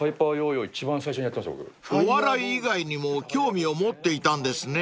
［お笑い以外にも興味を持っていたんですね］